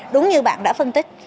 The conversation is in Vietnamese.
đúng như bạn đã phân tích